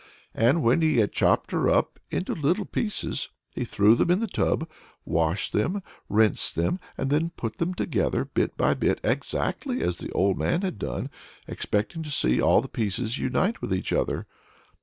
And when he had chopped her up into little pieces, he threw them into the tub, washed them, rinsed them, and then put them together bit by bit, exactly as the old man had done, expecting to see all the pieces unite with each other.